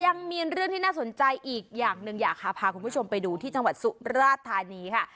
ยังมีเรื่องที่น่าสนใจอีกอย่างหนึ่งอยากพาคุณผู้ชมไปดูที่จังหวัดสุราธานีค่ะ